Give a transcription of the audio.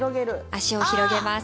足を広げます。